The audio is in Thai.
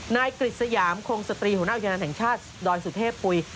กฤษยามคงสตรีหัวหน้าอุทยานแห่งชาติดอยสุเทพปุ๋ย